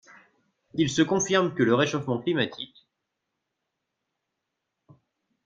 Il se confirme que le réchauffement climatique